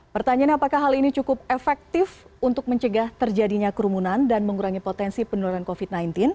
pertanyaannya apakah hal ini cukup efektif untuk mencegah terjadinya kerumunan dan mengurangi potensi penularan covid sembilan belas